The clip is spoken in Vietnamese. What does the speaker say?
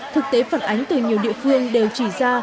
thực tế phản ánh từ nhiều địa phương đều chỉ ra